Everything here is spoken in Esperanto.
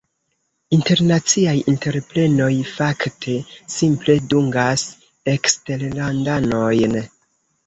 internaciaj entreprenoj- fakte simple dungas eksterlandanojn.